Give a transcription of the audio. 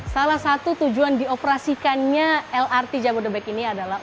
salah satu tujuan dioperasikannya lrt jabodebek ini adalah